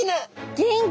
元気。